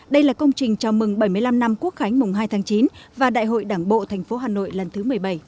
đây là công trình chào mừng bảy mươi năm năm quốc khánh mùng hai tháng chín và đại hội đảng bộ thành phố hà nội lần thứ một mươi bảy